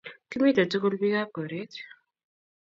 kimite tugul bikaap koret